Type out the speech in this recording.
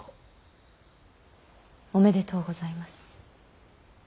おめでとうございます。